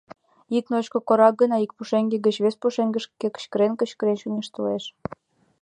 Ик ночко корак гына ик пушеҥге гыч вес пушеҥгышке кычкырен-кычкырен чоҥештылеш.